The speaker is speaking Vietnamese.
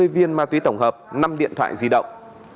hai mươi viên ma túy tổng hợp năm điện thoại di động